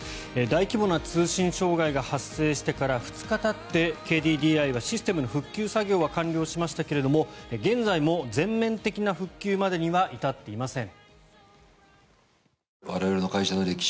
大規模な通信障害が発生してから２日たってＫＤＤＩは、システムの復旧作業は完了しましたが現在も、全面的な復旧までには至っていません。